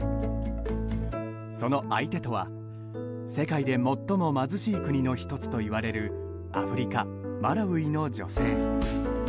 その相手とは、世界で最も貧しい国の１つといわれるアフリカ・マラウイの女性。